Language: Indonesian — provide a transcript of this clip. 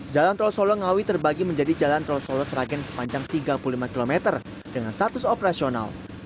jalan tol solongawi terbagi menjadi jalan tol solo sragen sepanjang tiga puluh lima km dengan status operasional